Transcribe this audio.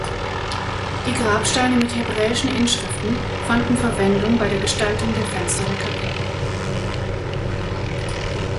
Die Grabsteine mit hebräischen Inschriften fanden Verwendung bei der Gestaltung der Fenster der Kapelle.